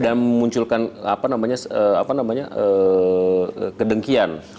dan munculkan kedengkian